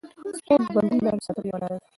سپورت د بندونو نرم ساتلو یوه لاره ده.